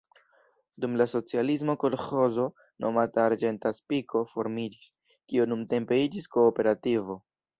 Dum la socialismo kolĥozo nomata "Arĝenta Spiko" formiĝis, kiu nuntempe iĝis kooperativo.